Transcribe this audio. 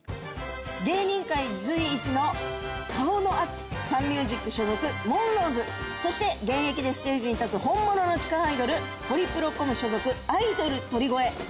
芸人界随一の顔の圧サンミュージック所属モンローズそして現役でステージに立つ本物の地下アイドルホリプロコム所属アイドル鳥越２